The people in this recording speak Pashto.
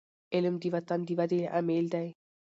علم د وطن د ودي عامل دی.